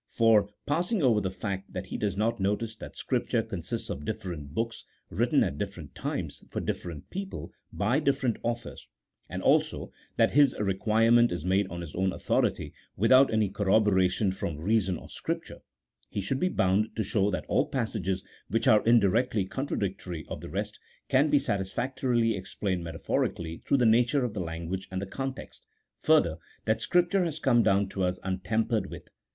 For (pass ing over the fact that he does not notice that Scripture consists of different books, written at different times, for different people, by different authors : and also that Ins requirement is made on his own authority without any corroboration from reason or Scripture) he would be bound to show that all passages which are indirectly contradictory CHAP. XV.] THEOLOGY NOT SUBSERVIENT TO REASON. 193 of the rest, can be satisfactorily explained metaphorically through the nature of the language and the context : fur ther, that Scripture has come down to us untampered with.